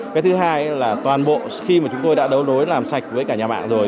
cái thứ hai là toàn bộ khi mà chúng tôi đã đấu đối làm sạch với cả nhà mạng rồi